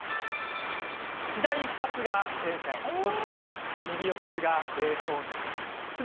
左２つは生鮮そして右４つが冷凍です。